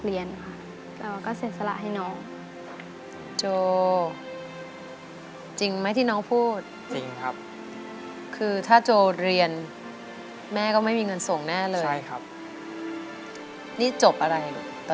นี่จบอะไรลูกตอนนี้หนูจบอะไร